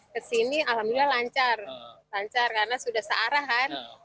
ke sini alhamdulillah lancar karena sudah searahan